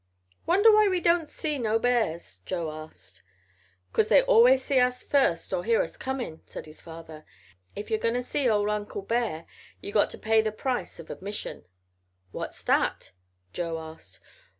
"Wonder why we don't see no bears?" Joe asked. "'Cause they always see us first or hear us comin'," said his father. "If you're goin' to see ol' Uncle Bear ye got to pay the price of admission." "What's that?" Joe asked.